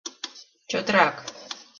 Чотрак